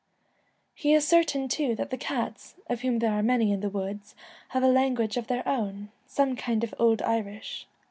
He is certain too that the cats, of whom there are many in the woods, have a language of their own — some kind of old Irish.